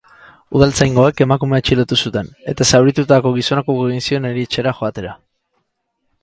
Udaltzaingoek emakumea atxilotu zuten, eta zauritutako gizonak uko egin zion erietxera joatera.